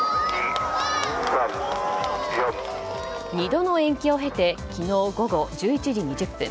２度の延期を経て昨日午後１１時２０分